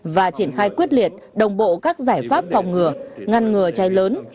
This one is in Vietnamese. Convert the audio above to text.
và triển khai quyết liệt đồng bộ các giải pháp phòng ngừa ngăn ngừa cháy lớn